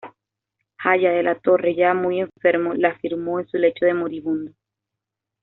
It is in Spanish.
Haya de la Torre, ya muy enfermo, la firmó en su lecho de moribundo.